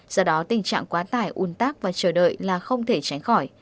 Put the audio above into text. do đó tình trạng quá tải un tắc và chờ đợi là không thể tránh khỏi